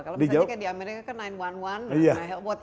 kalau misalnya di amerika kan sembilan ratus sebelas